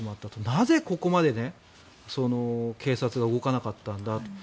なぜ、ここまで警察が動かなかったんだと。